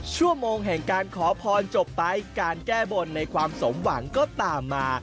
ชั่วโมงแห่งการขอพรจบไปการแก้บนในความสมหวังก็ตามมา